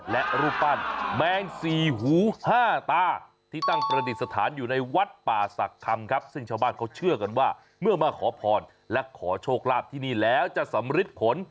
ซึ่งชาวบ้านเขาเชื่อกันว่าเมื่อมาขอพรและขอโชคลาภที่นี่แล้วจะสำริทผล